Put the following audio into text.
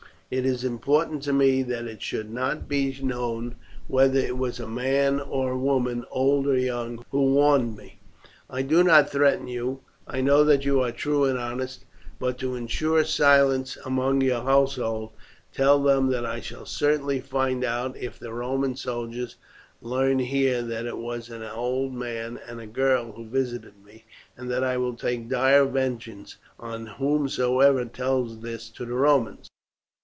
It is important to me that it should not be known whether it was man or woman, old or young, who warned me. "I do not threaten you. I know that you are true and honest; but, to ensure silence among your household, tell them that I shall certainly find out if the Roman soldiers learn here that it was an old man and a girl who visited me, and that I will take dire vengeance on whomsoever tells this to the Romans.